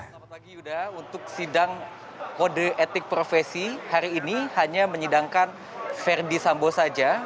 selamat pagi yuda untuk sidang kode etik profesi hari ini hanya menyidangkan verdi sambo saja